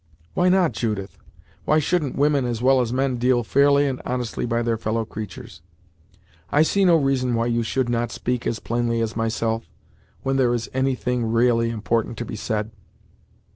"Why not, Judith? Why shouldn't women as well as men deal fairly and honestly by their fellow creatur's? I see no reason why you should not speak as plainly as myself, when there is any thing ra'ally important to be said."